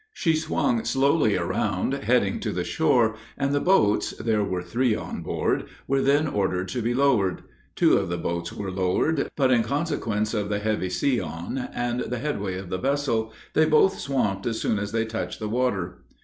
She swung slowly around, heading to the shore, and the boats there were three on board were then ordered to be lowered. Two of the boats were lowered, but, in consequence of the heavy sea on, and the headway of the vessel, they both swamped as soon as they touched the water.